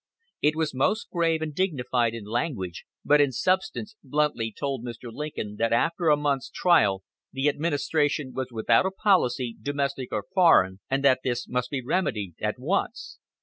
It was most grave and dignified in language, but in substance bluntly told Mr. Lincoln that after a month's trial the Administration was without a policy, domestic or foreign, and that this must be remedied at once.